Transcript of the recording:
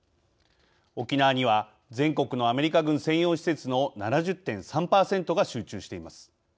沖縄には全国のアメリカ軍専用施設の７０．３％が集中しています。